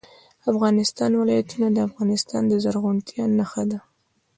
د افغانستان ولايتونه د افغانستان د زرغونتیا نښه ده.